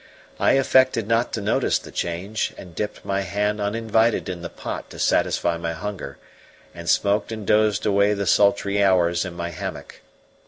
I affected not to notice the change, and dipped my hand uninvited in the pot to satisfy my hunger, and smoked and dozed away the sultry hours in my hammock.